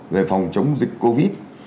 để phòng chống dịch covid